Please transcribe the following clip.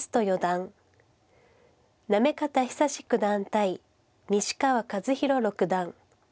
行方尚史九段対西川和宏六段。